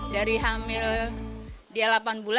dari hamil dia delapan bulan